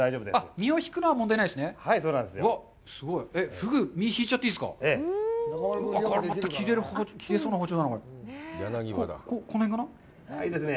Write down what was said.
身を引くのは問題ないんですね。